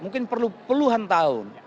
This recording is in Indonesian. mungkin perlukan peluhan tahun